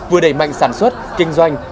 vừa đẩy mạnh sản xuất kinh doanh